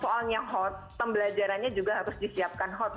kalau mau soalnya hots pembelajarannya juga harus disiapkan hots